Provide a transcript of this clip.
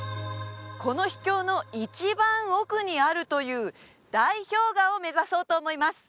この秘境の一番奥にあるという大氷河を目指そうと思います